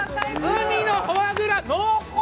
海のフォアグラ、濃厚！